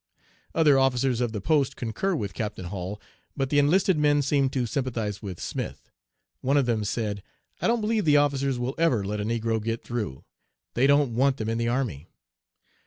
"Other officers of the post concur with Captain Hall, but the enlisted men seem to sympathize with Smith. One of them said, 'I don't believe the officers will ever let a negro get through. They don't want them in the army.'